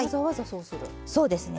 そうですね。